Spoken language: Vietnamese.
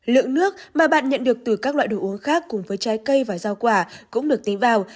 lượng nước mà bạn nhận được từ các loại đồ uống khác cùng với trái cây và rau quả cũng được tí vào